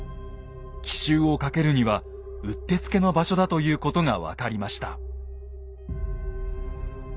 奇襲をかけるにはうってつけの場所だということが分かりました。